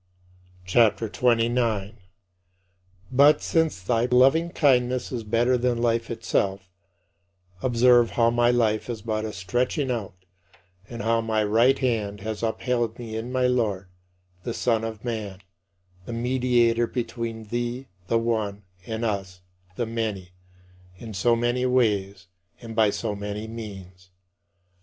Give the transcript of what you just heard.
CHAPTER XXIX 39. But "since thy loving kindness is better than life itself," observe how my life is but a stretching out, and how thy right hand has upheld me in my Lord, the Son of Man, the Mediator between thee, the One, and us, the many in so many ways and by so many means.